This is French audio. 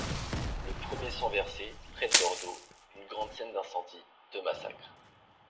Le premier sang versé (près de Bordeaux), une grande scène d'incendie, de massacre.